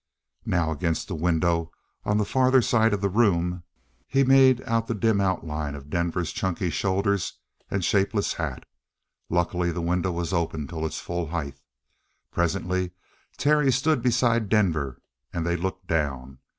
Now, against the window on the farther side of the room, he made out the dim outline of Denver's chunky shoulders and shapeless hat. Luckily the window was open to its full height. Presently Terry stood beside Denver and they looked down.